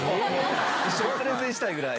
一緒にプレゼンしたいぐらい？